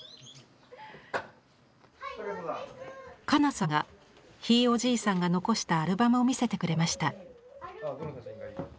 ・加奈さんがひいおじいさんが残したアルバムを見せてくれました。